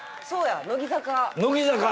そうや乃木坂！